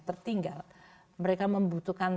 tertinggal mereka membutuhkan